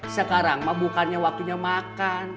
sekarang mah bukannya waktunya makan